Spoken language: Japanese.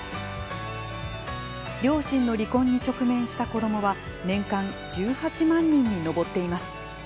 両親の離婚に直面した子どもは年間１８万人に上っています。